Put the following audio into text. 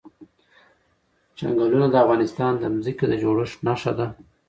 چنګلونه د افغانستان د ځمکې د جوړښت نښه ده.